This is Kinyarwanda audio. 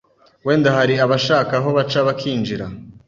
wenda hari abashaka aho baca bakinjira,